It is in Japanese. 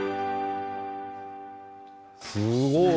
すごい！